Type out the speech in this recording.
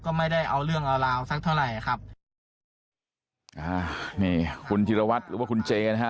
ก็ไม่ได้เอาเรื่องเอาราวสักเท่าไหร่ครับอ่านี่คุณธิรวัตรหรือว่าคุณเจนะฮะ